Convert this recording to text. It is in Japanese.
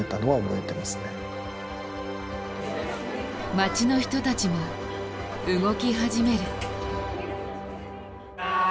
街の人たちも動き始める。